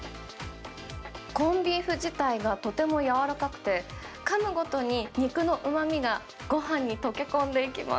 コンビーフ自体がとてもやわらかくて、かむごとに肉のうまみがごはんに溶け込んでいきます。